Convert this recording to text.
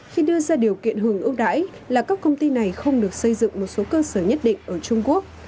khi đưa ra điều kiện hưởng ưu đãi là các công ty này không được xây dựng một số cơ sở nhất định ở trung quốc